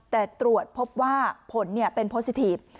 แต่ตรวจพบว่าผลเป็นพอสิทธิพฤษ